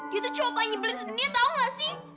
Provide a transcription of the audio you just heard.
dia tuh cowok paling nyibelin sebenernya tau gak sih